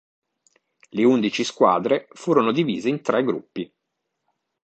Le undici squadre furono divise in tre gruppi.